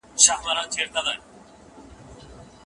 د څېړني لارښود استاد باید تجربه ولري.